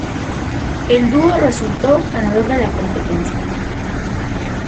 El dúo resultó ganador de la competencia.